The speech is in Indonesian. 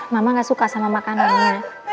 mama gak suka sama makanannya